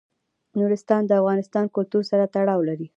نورستان د افغان کلتور سره تړاو لري.